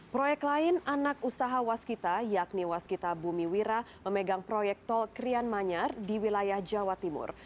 proyek lain anak usaha waskita yakni waskita bumi wira memegang proyek tol krian manyar di wilayah jawa timur